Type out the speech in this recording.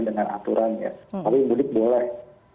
dengan aturannya tapi mudik boleh